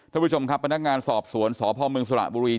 ทุกผู้ชมครับเป็นนักงานสอบสวนสพมสละบุรี